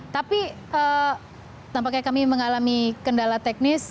tapi tampaknya kami mengalami kendala teknis